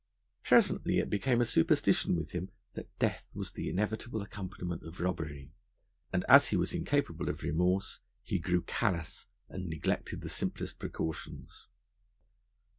Presently it became a superstition with him that death was the inevitable accompaniment of robbery, and, as he was incapable of remorse, he grew callous, and neglected the simplest precautions.